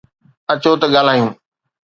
اچو ت ڳالھايون.